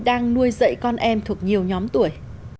đang nuôi dạy con em thuộc nhiều nhóm tuổi